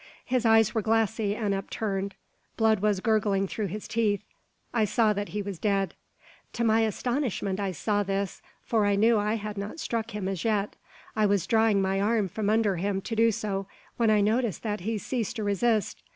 His eyes were glassy and upturned. Blood was gurgling through his teeth. I saw that he was dead. To my astonishment I saw this, for I knew I had not struck him as yet. I was drawing my arm from under him to do so, when I noticed that he ceased to resist.